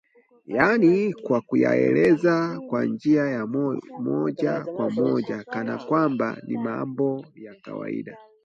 yaani kwa kuyaeleza kwa njia ya moja kwa moja kana kwamba ni mambo ya kawaida